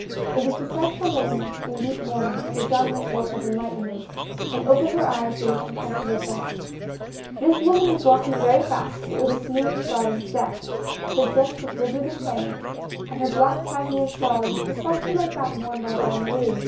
It was the sight of a woman in deep mourning that had done this work of enlightenment, and opened her eyes to this uncomfortable fact. This woman was walking very fast, but with a smooth, gliding step. Her dress was rigidly plain; and her black cashmere shawl was precisely like that worn by Bonne Marie.